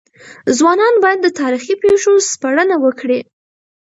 ځوانان بايد د تاريخي پېښو سپړنه وکړي.